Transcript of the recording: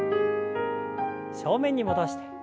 正面に戻して。